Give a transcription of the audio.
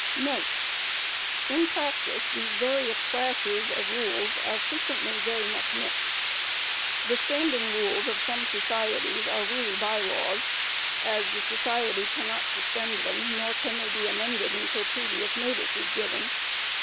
* [In practice these various classes of rules are frequently very much mixed. The Standing Rules of some societies are really By Laws, as the society cannot suspend them, nor can they be amended until previous notice is given.